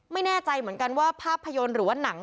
ไม่แน่ใจเหมือนกันว่าภาพยนตร์หรือว่าหนัง